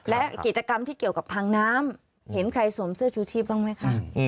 และกิจกรรมที่เกี่ยวกับทางน้ำเห็นใครสวมเสื้อชูชีพบ้างไหมคะ